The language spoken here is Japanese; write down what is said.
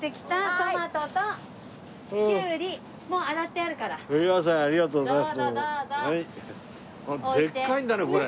ホントでっかいんだねこれ。